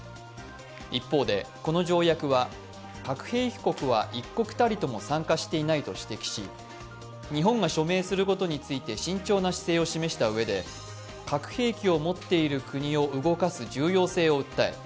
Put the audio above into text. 一方でこの条約は核兵器国は一国たりとも参加していないと指摘し日本が署名することについて慎重な姿勢を示したうえで核兵器を持っている国を動かす重要性を訴え